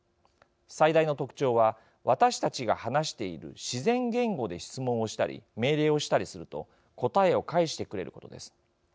最大の特徴は私たちが話している自然言語で質問をしたり命令をしたりすると答えを返してくれることです。